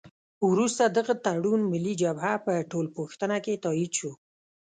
وروسته دغه تړون ملي جبهه په ټولپوښتنه کې تایید شو.